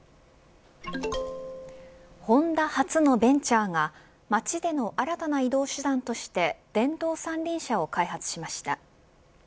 ホンダ発のベンチャーが街での新たな移動手段として電動三輪車を開発しました。